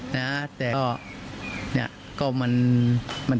แต่ก็มันเป็นอย่างนี้ผมก็ไม่รู้ว่า